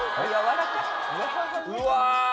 うわ。